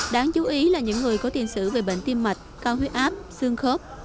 đáng chú ý là những người có tiền sử về bệnh tim mạch cao huyết áp xương khớp